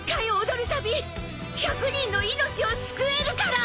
踊るたび１００人の命を救えるから！